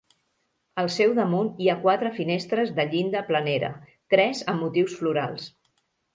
Al seu damunt hi ha quatre finestres de llinda planera, tres amb motius florals.